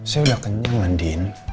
saya udah kenyang andien